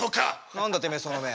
何だてめえその目。